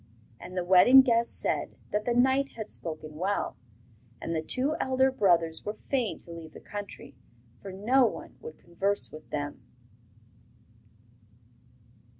And the wedding guests said that the knight had spoken well; and the two elder brothers were fain to leave the country, for no one would converse with them.